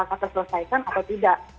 apakah terselesaikan atau tidak